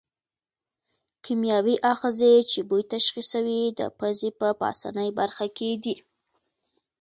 کیمیاوي آخذې چې بوی تشخیصوي د پزې په پاسنۍ برخه کې دي.